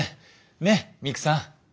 ねっミクさん？